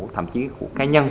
thậm chí của cá nhân